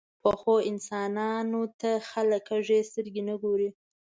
پخو انسانانو ته خلک کږې سترګې نه ګوري